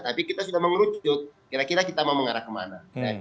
tapi kita sudah mengerucut kira kira kita mau mengarah kemana